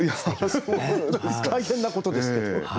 大変なことですけれども。